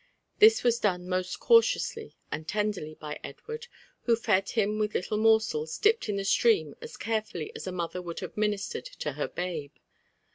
This was done most cautiously and tenderly by Ed ward, who fed him with little morsels dipped in the stream as carefully as a mother would have ministered to her babe.